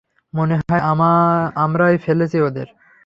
মনে হয় আমরাই ফেলেছি ওদের।